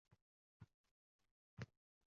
Zulm emasmi go'dakkinaga?!